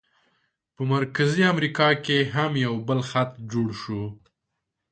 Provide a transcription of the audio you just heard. په مرکزي امریکا کې هم یو بل خط جوړ شو.